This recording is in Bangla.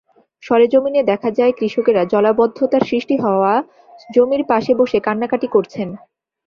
সরেজমিনে দেখা যায়, কৃষকেরা জলাবদ্ধতা সৃষ্টি হওয়া জমির পাশে বসে কান্নাকাটি করছেন।